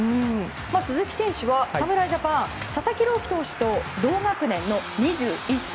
鈴木選手は侍ジャパンの佐々木朗希投手と同学年の２１歳。